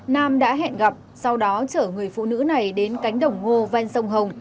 nam đã hẹn gặp sau đó chở người phụ nữ này đến cánh đồng hồ văn sông hồng